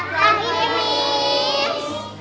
selamat pagi miss